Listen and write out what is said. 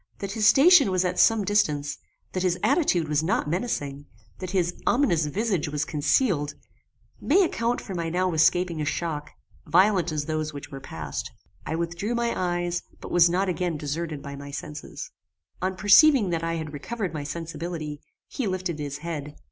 That his station was at some distance, that his attitude was not menacing, that his ominous visage was concealed, may account for my now escaping a shock, violent as those which were past. I withdrew my eyes, but was not again deserted by my senses. On perceiving that I had recovered my sensibility, he lifted his head.